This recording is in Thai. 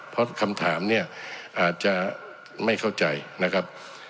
เพราะคำถามเนี่ยอาจจะไม่เข้าใจนะครับ